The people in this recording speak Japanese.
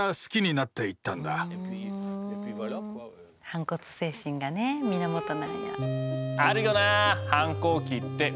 反骨精神がね源なんや。